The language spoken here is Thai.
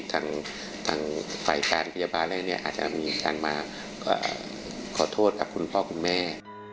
ทางฝ่ายการพยาบาลอะไรเนี่ยอาจจะมีการมาขอโทษกับคุณพ่อคุณแม่